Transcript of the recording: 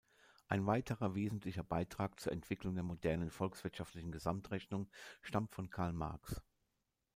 Ein weiterer wesentlicher Beitrag zur Entwicklung der modernen volkswirtschaftlichen Gesamtrechnung stammt von Karl Marx.